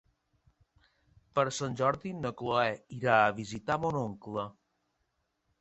Per Sant Jordi na Cloè irà a visitar mon oncle.